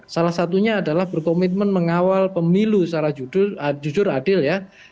salah satunya adalah berkomitmen mengawal pemilu secara jujur adil ya